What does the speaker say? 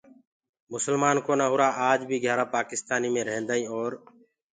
مسلمآن ڪونآ هُرآ آج بي گھيآرآ پآڪِستآني مي ريهنٚدآئينٚ اور